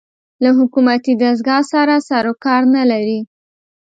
له حکومتي دستګاه سره سر و کار نه لري